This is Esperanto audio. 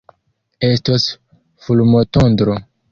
Estos fulmotondro.